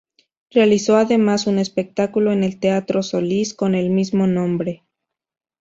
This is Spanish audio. Realizó además un espectáculo en el Teatro Solis con el mismo nombre.